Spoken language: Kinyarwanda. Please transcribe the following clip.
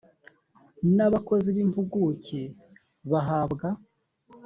n abakozi b impunguke bahabwa